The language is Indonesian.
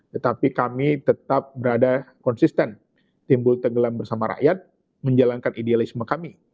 tetapi kami tetap berada konsisten timbul tenggelam bersama rakyat menjalankan idealisme kami